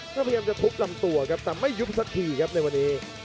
ก็พยายามจะทุบลำตัวครับแต่ไม่ยุบสักทีครับในวันนี้